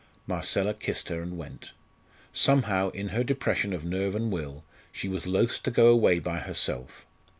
Marcella kissed her and went. Somehow, in her depression of nerve and will, she was loth to go away by herself.